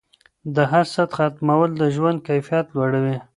د حسد ختمول د ژوند کیفیت لوړوي.